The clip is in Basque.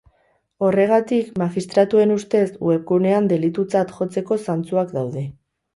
Horregatik, magistratuen ustez, webgunean delitutzat jotzeko zantzuak daude.